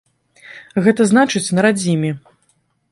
Гэта значыць на радзіме.